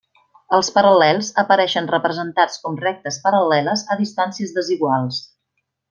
Els paral·lels apareixen representats com rectes paral·leles a distàncies desiguals.